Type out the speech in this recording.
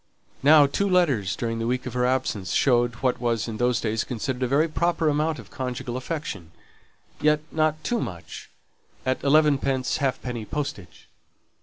Now two letters during the week of her absence showed what was in those days considered a very proper amount of conjugal affection. Yet not too much at elevenpence halfpenny postage.